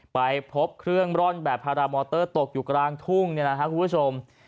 ไปพบเครื่องร่อนแบบพารามอเตอร์ตกอยู่กลางทุ่งเนี่ยนะครับคุณผู้ชม